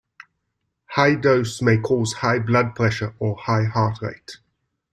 High dose may cause high blood pressure or high heart rate.